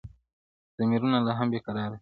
• ضميرونه لا هم بې قراره دي,